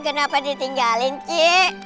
kenapa ditinggalin ci